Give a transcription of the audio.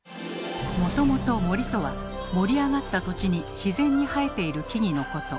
もともと「森」とは盛り上がった土地に自然に生えている木々のこと。